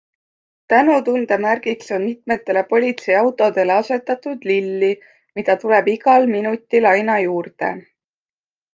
Tänutunde märgiks on mitmetele politseiautodele asetatud lilli, mida tuleb igal minutil aina juurde.